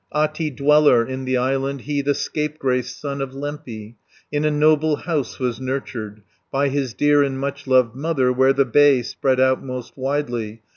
Ahti, dweller in the island, He the scapegrace son of Lempi, In a noble house was nurtured, By his dear and much loved mother Where the bay spread out most widely.